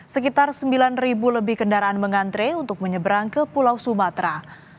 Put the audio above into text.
sekitar sembilan lebih kendaraan mengantre untuk menyeberang ke pulau sumatera